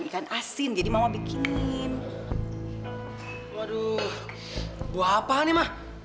ikan asinnya gimana kerasa banget gak